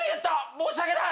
申し訳ない。